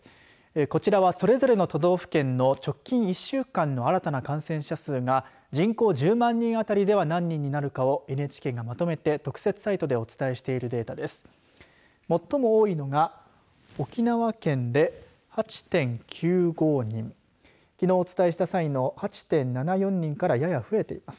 こちらそれぞれの都道府県の直近１週間の新たな感染者数が人口１０万人当たりでは何人になるかをＮＨＫがまとめて特設サイトでお伝えしているデータです。